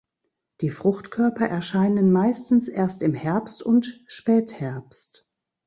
Die Fruchtkörper erscheinen meistens erst im Herbst und Spätherbst.